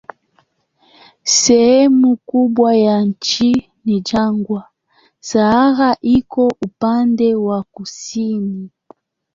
Sehemu kubwa ya nchi ni jangwa, Sahara iko upande wa kusini.